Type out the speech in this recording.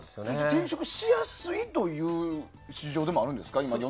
転職しやすいという市場でもあるんですか？